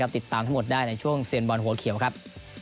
ติดตามทั้งหมดได้ในช่วงเซียนบอลหัวเขียวครับ